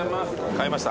買いました。